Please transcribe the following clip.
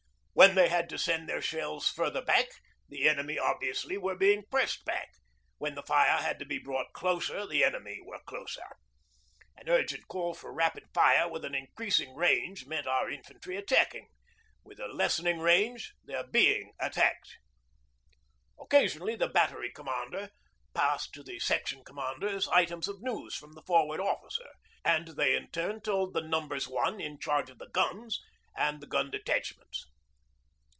When they had to send their shells further back, the enemy obviously were being pressed back; when the fire had to be brought closer the enemy were closer. An urgent call for rapid fire with an increasing range meant our infantry attacking; with a lessening range, their being attacked. Occasionally the Battery Commander passed to the Section Commanders items of news from the Forward Officer, and they in turn told the 'Numbers One' in charge of the guns, and the gun detachments.